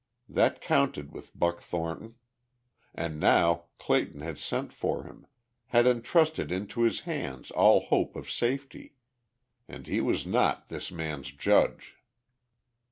That counted with Buck Thornton. And now Clayton had sent for him, had entrusted into his hands all hope of safety. And he was not this man's judge.